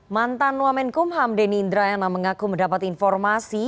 mantan nuwamen kumham denny indrayana mengaku mendapat informasi